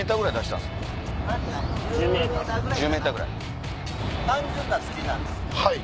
１０ｍぐらい。